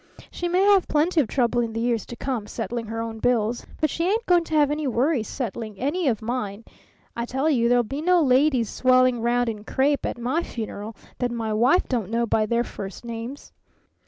She may have plenty of trouble in the years to come settling her own bills, but she ain't going to have any worry settling any of mine. I tell you, there'll be no ladies swelling round in crape at my funeral that my wife don't know by their first names!"